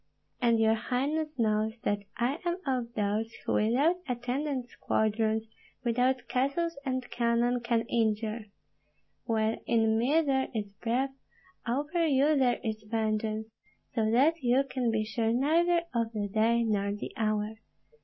And your highness knows that I am of those who without attendant squadrons, without castles and cannon, can injure. While in me there is breath, over you there is vengeance, so that you can be sure neither of the day nor the hour.